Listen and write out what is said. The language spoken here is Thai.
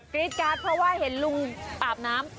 กรี๊ดการถ้าว่าเห็นลุงปาบน้ำ